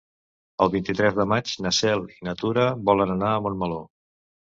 El vint-i-tres de maig na Cel i na Tura volen anar a Montmeló.